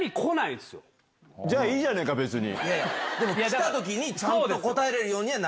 じゃあいいじゃねえか別に。